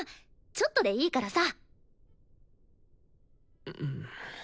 ちょっとでいいからさ。